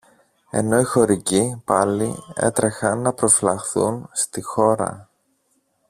ενώ οι χωρικοί, πάλι, έτρεχαν να προφυλαχθούν στη χώρα.